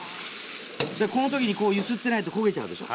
この時にこう揺すってないと焦げちゃうでしょ。